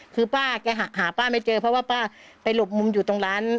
คือป้าแกหาป้าไม่เจอเพราะว่าป้าไปหลบมุมอยู่ตรงร้าน